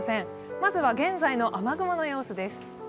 まずは現在の雨雲の様子です。